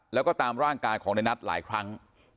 แล้วก็ตามร่างกายของในนัทหลายครั้ง